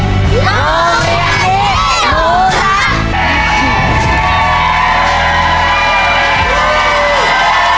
โรงพิวัติ